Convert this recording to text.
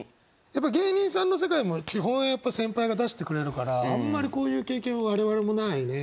やっぱ芸人さんの世界も基本は先輩が出してくれるからあんまりこういう経験我々もないね。